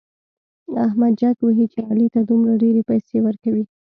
احمد جک وهي چې علي ته دومره ډېرې پيسې ورکوي.